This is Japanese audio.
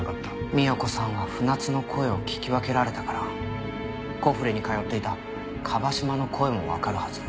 三代子さんは船津の声を聞き分けられたからコフレに通っていた椛島の声もわかるはず。